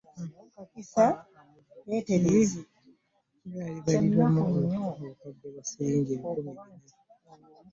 Ettaka eriweereddwayo libalirirwamu obukadde bwa ssiringi ebikumi Bina.